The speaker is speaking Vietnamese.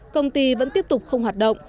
công ty vẫn tiếp tục không hoạt động